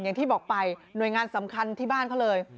อย่างที่บอกไปหน่วยงานสำคัญที่บ้านเขาเลย